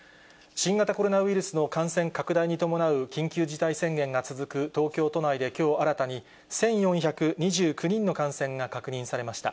新型コロナウイルスの感染拡大に伴う緊急事態宣言が続く東京都内で、きょう新たに１４２９人の感染が確認されました。